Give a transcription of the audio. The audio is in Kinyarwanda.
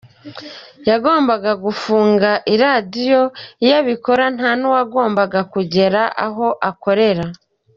Yagombaga gufunga iradiyo, iyo abikora nta n’uwagombaga kugera aho akorera.